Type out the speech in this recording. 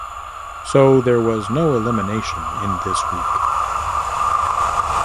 So there was no elimination in this week.